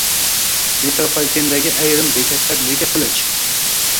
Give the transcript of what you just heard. Metropolitendagi ayrim bekatlar nega tiqilinch?